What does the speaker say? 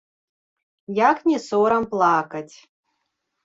Як не сорам плакаць?